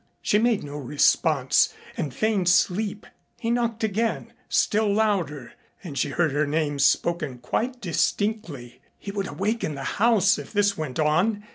She made no response and feigned sleep. He knocked again still louder and she heard her name spoken quite distinctly. He would awaken the house if this went on.